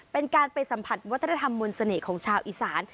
เป็นการไปสัมผัสวัฒนธรรมมนต์เสน่ห์ของชาวอีสาน